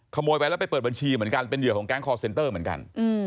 ขโมยไปแล้วไปเปิดบัญชีเหมือนกันเป็นเหยื่อของแก๊งคอร์เซ็นเตอร์เหมือนกัน